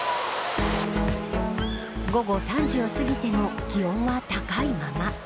午後３時を過ぎても気温は高いまま。